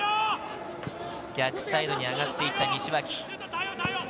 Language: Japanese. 逆サイドに上がっていった西脇。